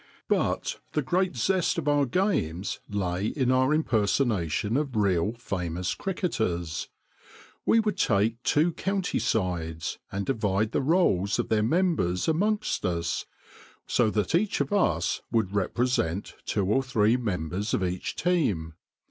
But the great zest of our games lay in our im personation of real famous cricketers. We would take two county sides, and divide the roles of their members amongst us, so that each of us would represent two or three members of each team.